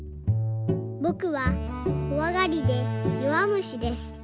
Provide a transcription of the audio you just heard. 「ぼくはこわがりでよわむしです。